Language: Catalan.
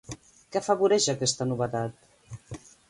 Què afavoreix aquesta novetat?